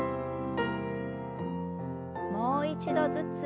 もう一度ずつ。